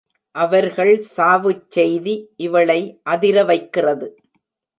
அவர்கள் சாவுச் செய்தி இவளை அதிர வைக்கிறது.